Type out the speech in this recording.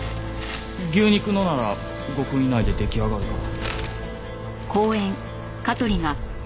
牛肉のなら５分以内で出来上がるから。